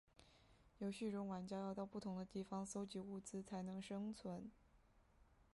游戏中玩家要到不同地方搜集物资才能生存。